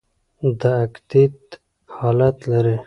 د اکتیت حالت لري.